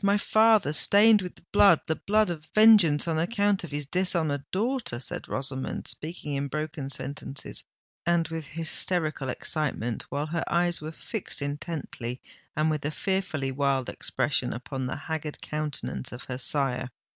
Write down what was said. my father—stained with blood—the blood of vengeance on account of his dishonoured daughter;" said Rosamond, speaking in broken sentences and with hysterical excitement, while her eyes were fixed intently and with a fearfully wild expression upon the haggard countenance of her sire.